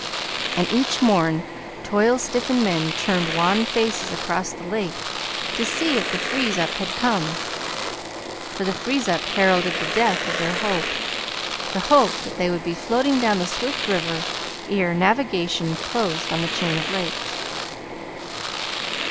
And each morn, toil stiffened men turned wan faces across the lake to see if the freeze up had come. For the freeze up heralded the death of their hope the hope that they would be floating down the swift river ere navigation closed on the chain of lakes.